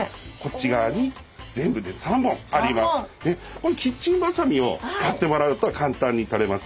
これキッチンばさみを使ってもらうと簡単に取れます。